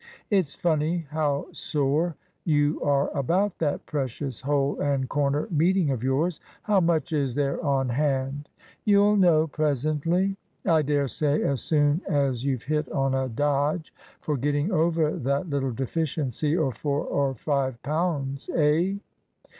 "It's funny how sore you are about that precious hole and corner meeting of yours. How much is there on hand?" "You'll know presently." "I dare say as soon as you've hit on a dodge for getting over that little deficiency of four or five pounds eh?"